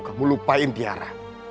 kamu lupain tiara